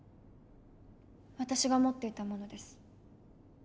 私が持っていたものです。